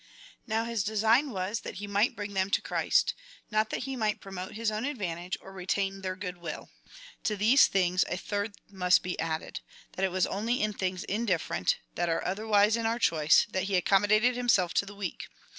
^ Now his design was, that he might bring them to Christ — not that he might promote his own advantage, or retain their good will. To these things a third must be added — that it was only in things indifferent, that are otherwise in our choice, that he accommodated himself to the weak.